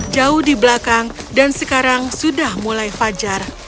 jauh di belakang dan sekarang sudah mulai fajar